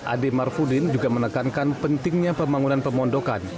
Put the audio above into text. adem marfudin juga menekankan pentingnya pembangunan pemundokan